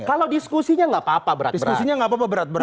kalau diskusinya nggak apa apa berat berat